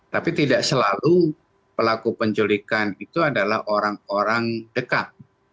tapi tidak selalu pelaku penculikan itu adalah orang orang dekat